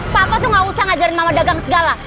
papa tuh nggak usah ngajarin mama dagang segala